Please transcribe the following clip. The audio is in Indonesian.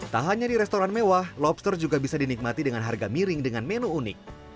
tak hanya di restoran mewah lobster juga bisa dinikmati dengan harga miring dengan menu unik